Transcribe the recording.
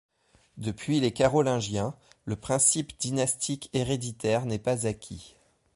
Depuis les Carolingiens, le principe dynastique héréditaire n'est pas acquis.